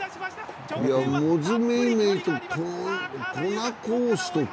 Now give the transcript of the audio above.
モズメイメイとコナコースト